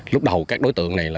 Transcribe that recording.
lúc đầu các đối tượng này